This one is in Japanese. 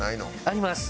あります。